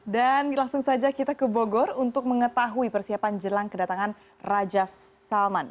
dan langsung saja kita ke bogor untuk mengetahui persiapan jelang kedatangan raja saman